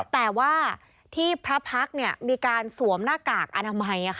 แต่ว่าที่พระพักษ์มีการสวมหน้ากากอนามัย